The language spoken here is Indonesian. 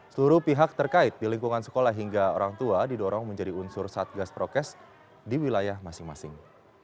seluruh pihak terkait di lingkungan sekolah hingga orang tua didorong menjadi unsur satgas prokes di wilayah masing masing